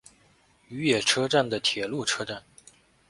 与野车站的铁路车站。